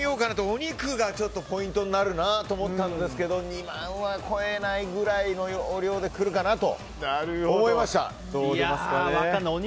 お肉がポイントになると思ったんですけど２万は超えないくらいの容量でくるかなと思いました。